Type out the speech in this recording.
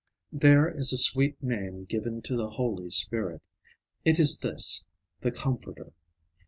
There is a sweet name given to the Holy Spirit; it is this, the Comforter.